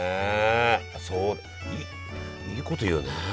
そういいこと言うね。